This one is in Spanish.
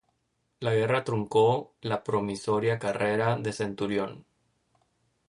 La guerra truncó la promisoria carrera de Centurión.